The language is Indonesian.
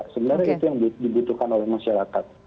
sebenarnya itu yang dibutuhkan oleh masyarakat